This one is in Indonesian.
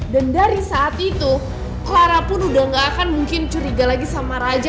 dan dari saat itu clara pun udah gak akan mungkin curiga lagi sama raja